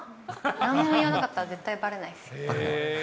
何も言われなかったら絶対ばれないです。